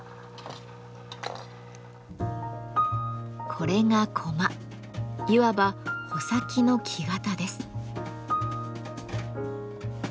これがいわば穂先の木型です。